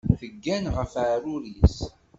Teggan ɣef uɛrur-is.